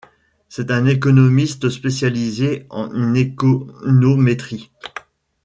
C'est un économiste spécialisé en économétrie.